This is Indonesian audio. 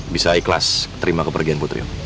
bisa ikhlas terima kepergian putri